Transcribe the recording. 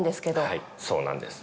はいそうなんです